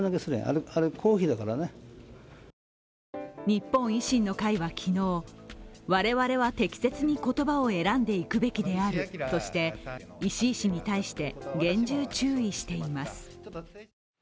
日本維新の会は昨日、我々は適切に言葉を選んでいくべきであるとして、石井氏に対して厳重注意しています。